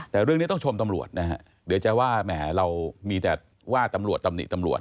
แต่เรื่องนี้ต้องชมตำรวจนะฮะเดี๋ยวจะว่าแหมเรามีแต่ว่าตำรวจตำหนิตำรวจ